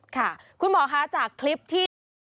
ค่ะคุณหมอคะจากคลิปที่